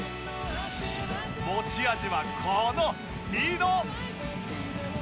持ち味はこのスピード！